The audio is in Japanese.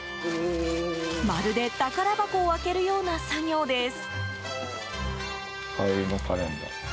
まるで宝箱を開けるような作業です。